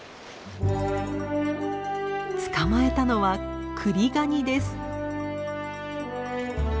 捕まえたのはクリガニです。